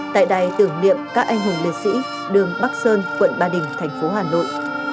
tại đài tưởng niệm các anh hùng liệt sĩ đường bắc sơn quận ba đình thành phố hà nội